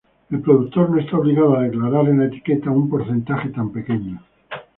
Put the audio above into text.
El productor no está obligado a declarar en la etiqueta un porcentaje tan pequeño.